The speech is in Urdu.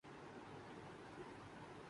تو اس کی وجہ یہی ہے۔